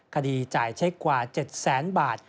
คดีจ่ายใช้กว่า๗๐๐บาท